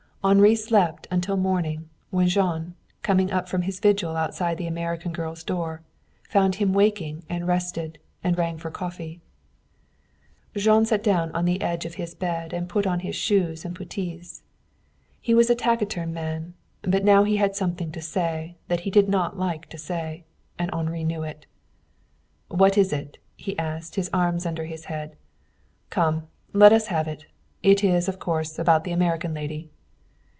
Henri slept until morning, when Jean, coming up from his vigil outside the American girl's door, found him waking and rested, and rang for coffee. Jean sat down on the edge of his bed and put on his shoes and puttees. He was a taciturn man, but now he had something to say that he did not like to say. And Henri knew it. "What is it?" he asked, his arms under his head. "Come, let us have it! It is, of course, about the American lady."